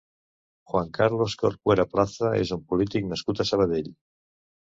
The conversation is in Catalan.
Juan Carlos Corcuera Plaza és un polític nascut a Sabadell.